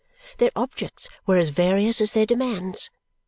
Their objects were as various as their demands.